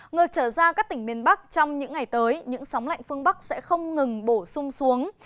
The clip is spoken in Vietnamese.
ngược trở ra các tỉnh miền bắc trong những ngày tới những sóng lạnh phương bắc sẽ không ngừng bổ sung xuống